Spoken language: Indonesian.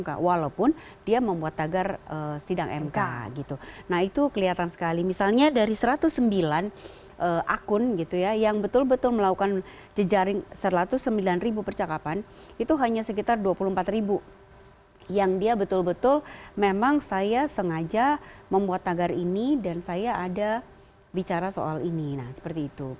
mk walaupun dia membuat tagar sidang mk gitu nah itu kelihatan sekali misalnya dari satu ratus sembilan akun gitu ya yang betul betul melakukan jejaring satu ratus sembilan ribu percakapan itu hanya sekitar dua puluh empat ribu yang dia betul betul memang saya sengaja membuat tagar ini dan saya ada bicara soal ini nah seperti itu